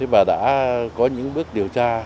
và đã có những bước điều tra